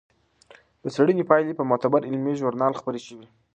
د څېړنې پایلې په معتبر علمي ژورنال خپرې شوې.